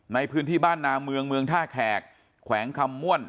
ในพื้นที่บ้านนาเมืองเมืองท่าแขกแขวงคำม่วน